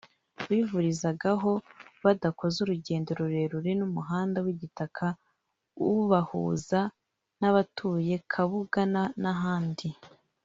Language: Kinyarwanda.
bivurizaho badakoze urugendo rurerure n’umuhanda w’igitaka ubahuza n’abatuye Kabuga n’ahandi